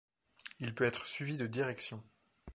Il peut être suivi de direction.